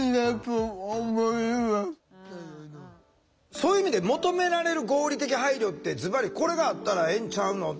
そういう意味で求められる合理的配慮ってズバリこれがあったらええんちゃうのって？